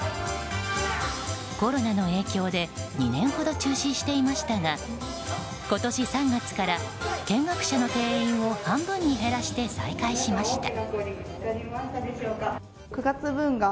コロナの影響で２年ほど中止していましたが今年３月から見学者の定員を半分に減らして再開しました。